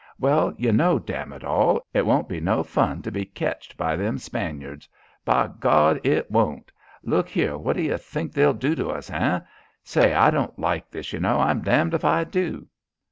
"Well, you know, damn it all, it won't be no fun to be ketched by them Spaniards. Be Gawd, it won't. Look here, what do you think they'll do to us, hey? Say, I don't like this, you know. I'm damned if I do."